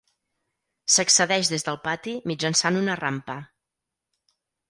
S'accedeix des del pati mitjançant una rampa.